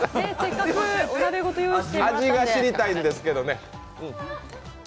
味が知りたいんですけどね。